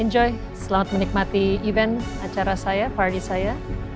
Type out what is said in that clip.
nikmati selamat menikmati acara saya acara saya